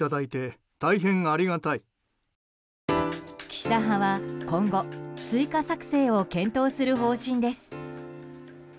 岸田派は今後追加作製を検討する方針です。